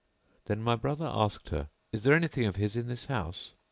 Then my brother asked her, "Is there anything of his in the house?"